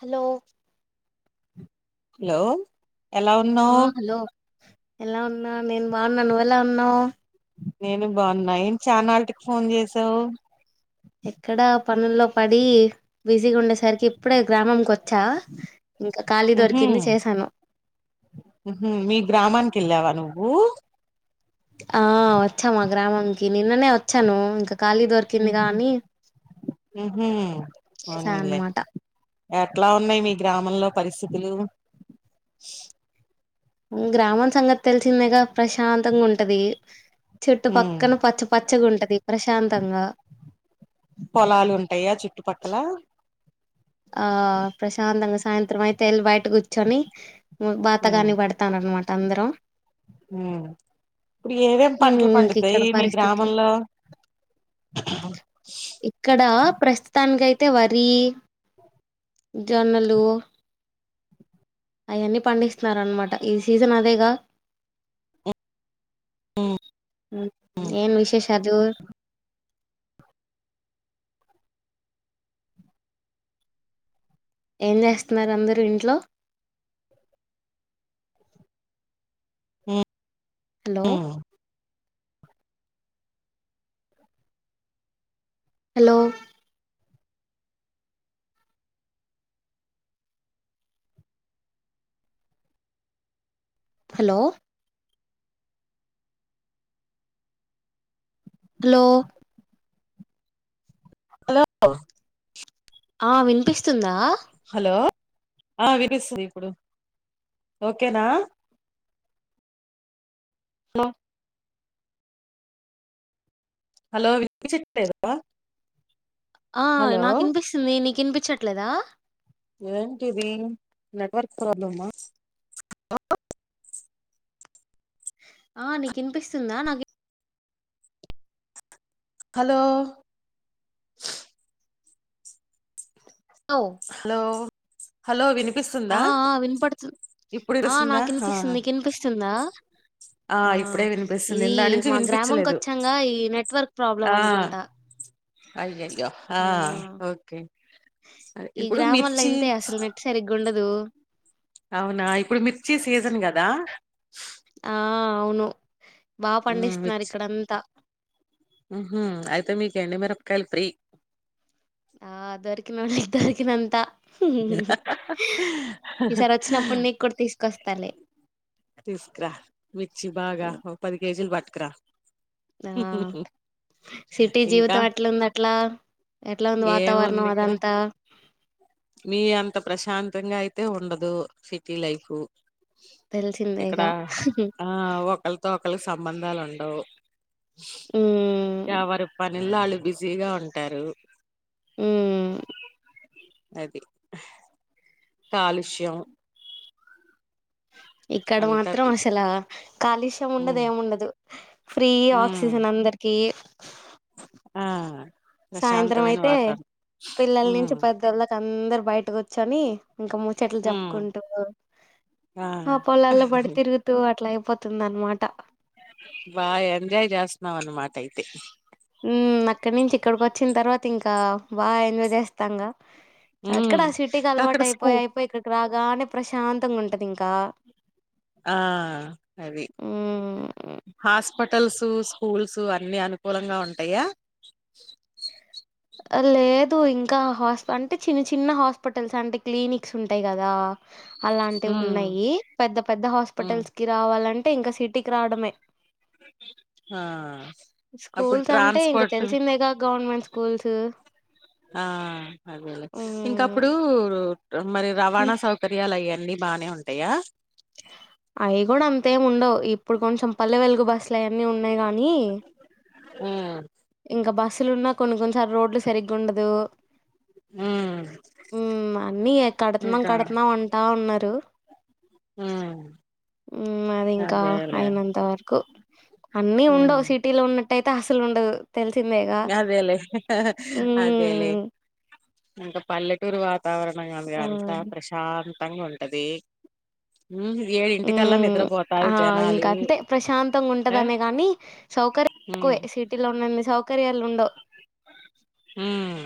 Hello hello ఎలా ఉన్నావు ఆ హలో ఎలా ఉన్నా నేను బాగున్నా నువ్వెలా ఉన్నావ్ నేను బాగున్నా ఏం చల్నాటికి ఫోన్ చేసావు ఎక్కడా పనుల్లో పడి బిజీగా ఉండేసరికి ఇప్పుడే గ్రామకి వ చ్చా ఇంకా ఖాళీ ఉహు దొరికింది చేసాను ఉహు మి గ్రామానికెళ్ళావ నువ్వూ. ఆ వచ్చా మా గ్రామంకి నిన్ననే వచ్చాను ఇంక దొరికింది గాని ఉహూ చేసా పోనిలె అనమాట ఎట్లా ఉన్నాయ్ మి గ్రామంలొ పరిసిత్ హలో ఉమ్ గ్రామం సంగత్తెల్సిందెగా ప్రశాంతంగూంటది చెట్టు ఉమ్ పక్కన పచ్చ పచ్చగుంటది పొలాలు ఉంటాయా చుట్టుపక్కల ఆ ప్రశాంతంగ సాయంత్రమైతె ఎళ్ బైట గుచ్చోని ఉమ్ బాతకానీ పడతానన్మాట అందరం. ఉమ్ ఇప్పుడు ఏవేమ్ ఉమ్, పంట్లు పండుతాయ్ మి గ్రామంలొ ఇక్కడా ప్రస్తుతాన్కైతె వరీ జొన్నలు అయన్ని పండిస్త్నారన్మట ఈ సీజనదేగ. ఉమ్ ఉమ్ ఏమ్ విశేష్ చదువు. ఏం జేస్తున్నారు అందరు ఇంట్లొ ఉమ్. హలొ. ఉమ్ హలో. హలో. హలో. లో. ఆ విన్పిస్తుందా. హలో ఆ వినిసుందిప్పుడు. ఓకేన హలొ. హలో విన్ చిట్ లేద ఆ నాకిన్పిస్తుంది నీకిన్పించట్లేద. ఏంటిది నెట్వర్క్ ప్రాబ్లమ. ఆ నీకిన్పిస్తుందా నాకి హలో. హలో హలో హలొ వినిప్ పిస్తుంద ఆ ఆ వినపడుతు ఆ ఇప్పుడినుస్తుందా నాకు హా వినిపిస్తుంది నీకు వినిపిస్తుందా ఆ ఇప్పుడే విన్పిస్తుంది ఇది ఇందానుంచి మా గ్రామంకి వినిపించలేదు వచ్చాంగా ఈ నెట్వర్క్ ప్రాబ్లం ఆ. అనుకుంటా అయ్యయ్ య ఆ ఓకే అదె ఇప్పుడు మిర్చి దూ ఔనా ఇప్పుడు మిర్చి సీజన్ గద. ఆ ఔను బా పండిస్తున్నార్ ఇక్కడంత. ఉహూ ఐతే మీకెండుమిరప్కాయల్ ప్రి. ఆ దొరికోనినికి దొరికినంత. ఈసారొచ్చినప్పుడ్ నీక్కూడ్ తీస్కొస్ తీస్క్ర మిర్చి బాగా ఒ పది కేజీల్ పట్క్రా. ఆ. సిటీ ఇంకా జీవితం ఎట్లుందట్ల ఎట్లాఉంద్ వాతావర్ణం అదంత. నీ అంత ప్రశాంతంగా ఐతే ఉండదు సిటీ లైఫు. ఇక్కడా తెలిసిందేగా ఆ ఒకొళ్తొ ఒకళ్ సంబంధాలుండవ్. ఊమ్. యవరు పనిల్లొ ఆళ్ళు బిజీగా ఉంటారు. ఉమ్ అది కాలుష్యం ఇక్కడ అంతా మాత్రం బిజీ అసలా కాలుష్యం ఉండద్ ఉమ్ ఏమూండదు ఫ్రీ ఉమ్ ఆక్సిజన్ అందర్కి ఆ. ప్రశాంతమైన సాయంత్రమైతే వాతావరణం పిల్లల్ ఉమ్ నుంచి పెద్దోళ్దాక అందర్ బయటగుచ్చోని ఇంక ముచ్చట్లు ఉమ్ జొప్కుంటూ ఆ పొలాల్లొ పడి తిరుగుతూ అట్లై పోతుందన్మాట. బా ఎంజాయ్ జెస్తున్నవ్ అన్మాటయితే హ్మ్ అక్కడి నుంచి ఇక్కడికి వచ్చిన తర్వాత ఇంకా బాగా ఎంజాయ్ చేస్తాంగా ఉమ్ అక్కడ సిటీకి అక్కడ అలవాటు స్కూ అయిపోయి అయిపోయి ఇక్కడికి రా బాగా ప్రశాంతంగా ఉంటది ఇంకా ఆ అది హ్మ్. హాస్ హోటల్సు స్కూల్సు అన్ని అనుకూలంగా ఉంటయా లేదు ఇంకా హాస్ అంటే చిన్న చిన్న హాస్పిటల్స్ అంటే క్లినిక్స్ ఉంటాయి కదా అలాంటివి ఉమ్ ఉన్నాయి పెద్ద పెద్ద ఉమ్ హాస్పిటల్స్ కి రావాలంటే ఇంకా సిటీకి రావడమే ఆ అప్పుడు స్కూల్స్ అంటే ఇంక ట్రాన్స్పోర్ట్ తెలిసిందేగా గవర్నమెంట్ స్కూల్స్ ఆ అదేలే హ్మ్. ఇంకప్పుడు మరి రవాణా సౌకర్యాలు అయ్యాయి అన్నీ బానే ఉంటాయా అవి కూడా అంతేముండవు ఇప్పుడు కొంచెం పల్లె వెలుగు బస్సులు అయన్నీ ఉన్నాయి గా నీ ఉమ్ ఇంకా బస్సులున్న కొన్ని కొన్నిసార్లు రోడ్లు సరిగ్గ ఉండదు ఉమ్ ఉమ్మ్ అన్నీ కడతున్నాం కడతున్నాం అంటా ఉన్నారు ఆమ్మ్ అది ఇంకా అయినంత వరకు అన్నీ ఉమ్ ఉండవు సిటీలో ఉన్నట్ ట్టాయితే అసలు ఉండదు తెలిసిందేగా గదేలే అదేలే హ్మ్ ఇంకా పల్లెటూరు వాతావరణం అది ఆ అంతా ప్రశాంతంగా ఉంటది ఉమ్ ఉ ఏడింటికల్లా ఆ నిద్రపోతారు జనాలు ఇంకా అంతే ప్రశాంతంగా ఆ ఉంటదనె కానీ సౌకర్య తక్కువే సిటీలో ఉన్నన్ని సౌకర్యాలు ఉండవు. హ్మ్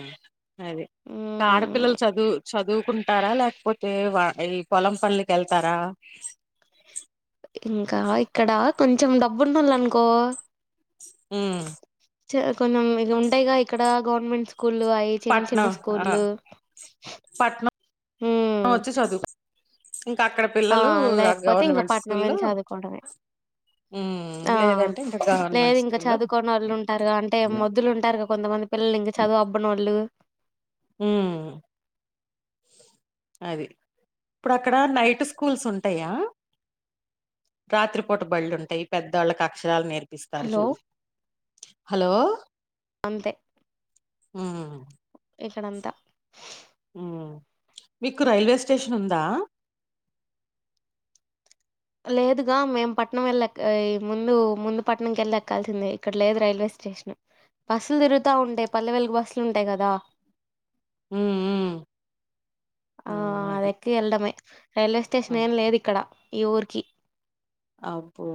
అది హ్మ్ ఆడపిల్లల చదువు చదువుకుంటారా లేకపోతే వ ఈ పొలం పనులికి వెళ్తారా ఇంకా ఇక్కడ కొంచెం డబ్బుంన్నోలనుకో హ్మ్ కొంచెం ఇవి ఉంటాయిగా ఇక్కడ గవర్నమెంట్స్ స్కూళ్ళు అవి చిన్న చిన్న పట్నం ఆ స్కూల్లు పట్నం హ్మ్ వచ్చి చదువుకో ఇంకా అక్కడ ఆ పిల్లలు ఆ లేకపోతే ఇంకా గవర్నమెంట్ పట్నం స్కూల్లో వెళ్ళి చదువుకుంటమె ఉమ్ ఆ లేదంటే ఇంకా లేదు గవర్నమెంట్ ఇంకా స్కూల్లో చదువుకోనోళ్ళు ఉంటారు అంటే మొద్దులు ఉంటారు కా కొంతమంది పిల్లలు ఇంక చదువు అబ్బనోళ్ళు హ్మ్ అది ఇప్పుడు అక్కడ నైట్ స్కూల్స్ ఉంటయా రాత్రిపూట బళ్ళుంటయి పెద్దోళ్లకు అక్షరాలు నేర్పి పిస్తరు హలో చూడు హలో అంతే హ్మ్ ఇక్కడంతా మీకు రైల్వే స్టేషన్ ఉందా లేదుగా మేము పట్నం వెళ్ళక ఈ ముందు ముందు పట్నంకి వెళ్ళెక్కాల్సిందే ఇక్కడ లేదు రైల్వేస్ షన్ బస్సులు తిరుగుతా ఉంటాయి పల్లె వెెలుగు బస్సులు ఉంటాయి కదా ఉమ్ ఉమ్ ఆ అది ఎక్కి ఎల్లడమే రైల్వే స్టేషన్ ఏం అబ్బో లేదు ఇక్కడ ఈ ఊరికి అబ్బో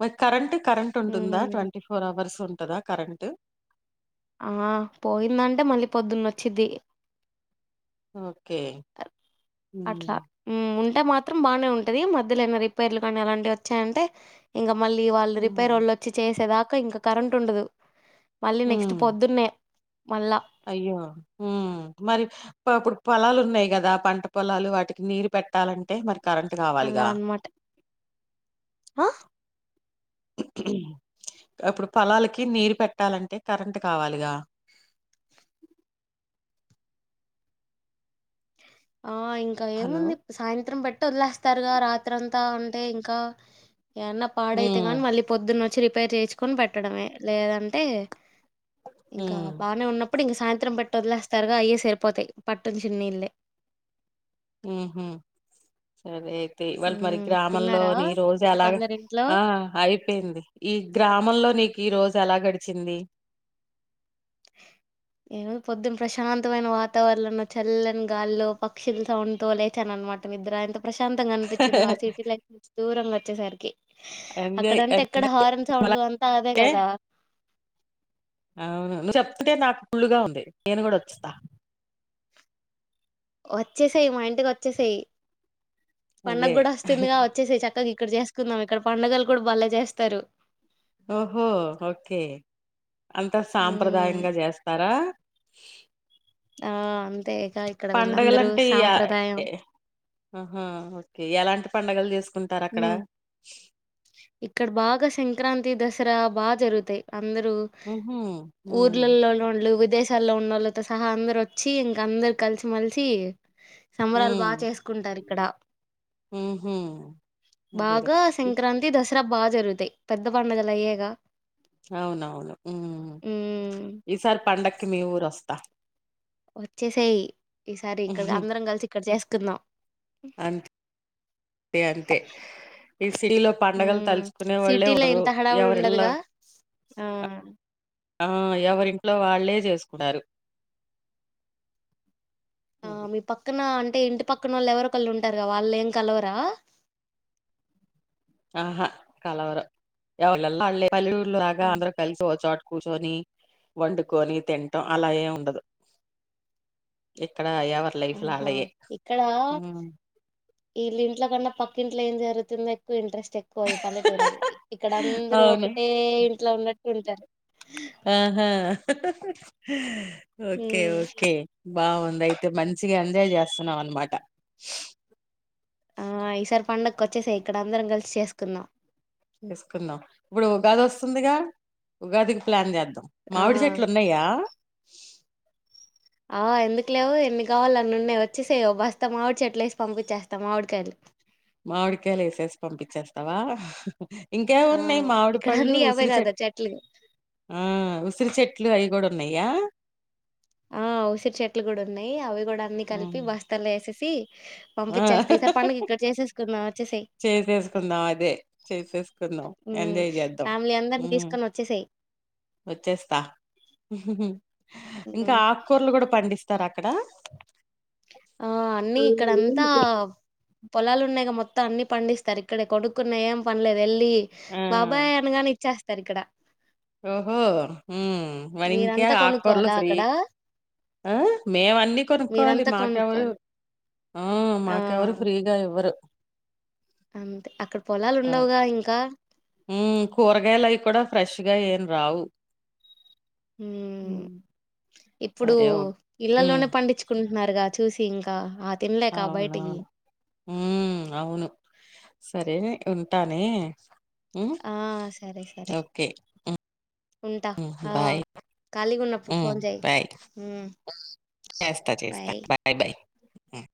మ కరెంటు కరెంటూ ఉంటుందా ఉమ్ ట్వంటి ఫోర్ అవర్స్ ఉంటదా కరెంటు ఆ పోయిందంటే మళ్ళీ పొద్దున్న వచ్చిది ఓకే హ్మ్ టే మాత్రం బానే ఉంటది మధ్యలేమ రిపేర్లు కానీ అలాంటివి ఒచ్చాయంటే ఇంగ మళ్ళీ వాళ్ళు రిపేర్ ఉమ్ వాళ్ళు వచ్చి చేసేదాకా ఇంకా కరెంట్ ఉండదు మళ్ళీ నెక్స్ట్ హ్మ్ పొద్దున్నే మళ్ళా అయ్యో హ్మ్ మరి పాపుడు పొలాలు ఉన్నాయి గదా పంట పొలాలు వాటికి నీరు పెట్టాలంటే మరి కరెంటు అలా కావాలిగా అనమాట ఆ [inaudible] అప్పుడు పొలాలకి నీరు పెట్టాలంటే కరెంటు కావాలిగా ఆ ఇంకా హలో! ఏముంది సాయంత్రం పెట్టి ఒదిలేస్తారుగా రాత్రంతా అంటే ఇంకా ఏవన్నా పాడైతే హ్మ్. కాని మళ్ళీ పొద్దున్నోచ్చి రిపేర్ చేయిచుకొని పెట్టడమే లేదంటే ఇంకా హ్మ్. బానే ఉన్నప్పుడు ఇంగ సాయంత్రం పెట్టి వదిలేస్తారుగా అయ్యే సరిపోతాయి పట్టుంచి నీళ్ళే ఉహ్మ్ సరే తె వాళ్కి మరి హ్మ్ గ్రామంలో తిన్నారా నీరోజు మిగతా అలాగా అందరు ఇంట్లో ఆహ్ అయిపోయింది ఈ గ్రామంలో నీక్ ఈరోజు ఎలా గడిచింది మ్ పొద్దున ప్రశాంతమైన వాతావరణలో చల్లని గాల్లో పక్షుల సౌండ్ తొ లేచాననమాట నిద్ర ఇంత ప్రశాంతంగ అనిపించిందొ ఆ సిటీ లైఫ్ నుంచి దూరంగా ఒచ్చేసరికి ఎంజాయ్ అక్కడంటే ఎంజాయ్ ఎక్కడ హార్న్ సౌండ్లు అంతా అదే అంటే గదా అవును నువ్వు చెప్తుతే నాకు పుళుగా ఉంది నేను కూడా వచ్చుతా వచ్చేసేయి మా ఇంటికొచ్చేసేయి పండగ అదే. గూడ ఒస్తుందిగా ఒచ్చేసేయి చక్కగ ఇక్ క్కడ చేసుకుందాం ఇక్కడ పండగలు కూడా బలే చేస్తారు ఓహో ఓకే అంత హ్మ్ సాంప్రదాయంగా చేస్తారా ఆహ్ అంతే ఇక్కడ పండగ వీళ్ళందరూ అంటే ఈ అ సాంప్రదాయం ఉహు ఎలాంటి పండగలు చేసుకుంటారు అక్కడ హ్మ్ ఇక్కడ బాగా సంక్రాంతి దసరా బా జరుతాయి అందరూ ఉహూ హ్మ్ ఊర్లలో లొల్లు వ్ వీదేశాల్లో ఉన్నోళ్ళతో సహా అందరు ఒచ్చి ఇంకా అందరు కలిసి మెలిసి సంబరాలు బా చేసుకుంటారు ఇక్కడ ఉహుమ్ వెర్ బాగా ఇ సంక్రాంతి దసరా బా జరుగుతాయి పెద్ద పండుగలాయ్యేగా అవునవును ఉమ్ ఉమ్ ఈసారి పండక్కి మీ ఊరోస్తా ఒచ్చేసేయి ఈసారి ఇక్కడ అందరం కలిసి ఇక్కడ చేసుకుందాం అంత్ తె అంతే ఈ సిలిలో పండగలు ఉమ్ తలుచుకునే వాళ్ళే సిటీలో ఉండరు ఇంత హడావుడి ఎవరిల్లా ఉండదుగా ఆ ఆ ఎవరింట్లో వాల్ ళ్ళే చేసుకుంటారు ఆ అది. మీ పక్కన టే ఇంటి పక్కనోళ్ళు ఎవరో ఒకళ్ళు ఉంటారు గ వాళ్ళేం కలవరా ఆహా కలవరు ఎవారిళ్లలో పల్లే ఉల్లెళ్ళుల్ల లాగ ఉ అంద్ర కలిసి వోచొట కూర్చొని వండుకొని తింటం అలా ఏముండదు ఇక్క ఆహా ఇక్కడా ఇళ్ళింట్ల కన్నా పక్కింట్లో ఏం జరు తుందొ ఎక్కువ ఇంట్రెస్ట్ ఎక్కువ ఈ పల్లెటూరోల్లకి ఇక్కడ అందరూ అవును ఒకటే ఇంట్లో ఉన్నట్టు ఉంటారు ఆహా హాఁ హాఁ ఓకే ఉమ్ ఓకే బావుందైతే మంచిగా ఎంజాయ్ చేస్తన్నావ్ అన్ మాట ఆహ్ ఈసార్ పండక్కోచ్చేసెయ్ ఇక్కడ అందరం కల్ సి చేసుకుందాం ఎస్ కుందాం ఇపుడు ఉగాద్ ఒస్తుందిగా ఉగాద్ కి ప్లాన్ జాద్ దం ఆ మావిడ్ చెట్లు ఉనయా ఆ ఎందుకు లేవు ఎన్ని కావాలో అన్ని ఉన్నాయి వచ్చేసేయ ఓ బస్తా మావిడి చెట్లు ఎసి పంపించేస్తాం మావిడికాయలు మామిడికాయలు ఎసేసి పంపించేస్తావా అహు ఇంకేం ఆ ఉన్నాయి మామిడి ఇక్కడ పళ్ళు అన్నీ అవే ఉసిరి కదా చెట్ చెట్లు ఆ ఆ ఉసిరి చెట్లు అయి గుడ ఉన్నాయ ఆ ఉసిరి చెట్లు కూడా ఉన్నాయి అవి కూడా అన్ని కలిపి హ్మ్ బస్తల్లో వేసేసి పంపించస్తే ఈ సార్ పండగ ఆ ఇక్కడ చేసేసుకుందాం ఓ చేసేసుకుందాం అదే చేసేసుకుందాం ఎంజాయ్ జెద్దాం అందర్ ని తీస్ కొన్ వచ్చేసేయ్ వోచ్చేస్తా హుహుమ్ ఇంకా ఉమ్ ఆక్ కూర్ లు కూడా పండిస్తర అక్కడ ఆ అన్నీ ఇక్కడంతా పొలాలు ఉన్నాయిగా మొత్తం అన్ని పండిస్తరు ఇక్కడే కొనుకునే ఏం పనిలేదు ఎళ్ లీ ఆ బాబాయ్ అన్ గానే ఇచ్చస్తరు ఇక్కడ ఓహో హ్మ్ మర్ ఇంకే మీరంతా ఆక్ కూర్ లు కొనుక్కోవాలా ఫ్రీ అక్కడ ఆ మేమ్ అన్నీ కొనుకోవలి మీరంతా మాకెవరు కొనుక్కోవాలి ఇవర్ ఆ ఆ మాకెవర్ ఫ్రీగా ఇవ్వరు అంతే అక్కడ్ పొలాలు ఉండవుగా ఇంకా హ్మ్ కూర్ గాయిలయి కూడ ఫ్రెష్ గా ఏం రావు ఉమ్ ఇప్పుడు సరే ఓ ఉమ్ ఇళ్లలోనే పండిచుకున్ నర్ గా చూసి ఇంకా ఆ తిన్ లేక బయిటియి అవునవును ఉమ్ ఔను సరే ఉంటానే హ్మ్ ఆ సరే సరే ఓకే మ్ ఉంటా ఉహ్ ఆ బాయ్ ఖాళీగా ఉన్నప్పుడు హ్మ్ ఫోన్ చేయి బాయ్ ఉమ్ ఏస్త చేస్త బాయ్ బయ్ మ్